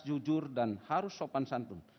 jujur dan harus sopan santun